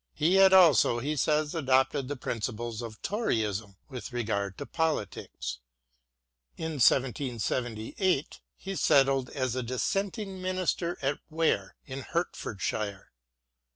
He had also, he says, adopted the principles of Toryism with regard to politics. In 1778 he settled as a Dissenting minister at Ware, in Hertfordshire.